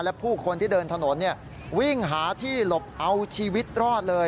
และผู้คนที่เดินถนนวิ่งหาที่หลบเอาชีวิตรอดเลย